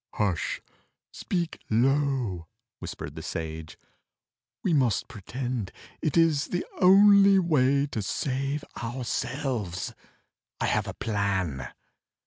"Hush! Speak low!" whispered the Sage. "We must pretend: It is the only way to save ourselves. I have a plan."